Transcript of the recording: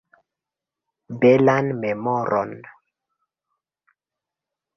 Belan memoron!